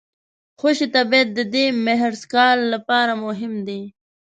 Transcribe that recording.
خوشي طبیعت د دې مهرسګال لپاره مهم دی.